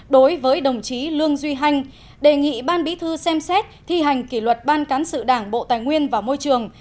đối với đồng chí lương duy hanh đề nghị ban bí thư xem xét thi hành kỷ luật ban cán sự đảng bộ tài nguyên và môi trường